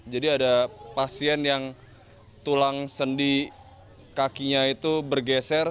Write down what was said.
jadi ada pasien yang tulang sendi kakinya itu bergeser